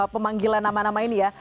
pemanggilan nama nama ini ya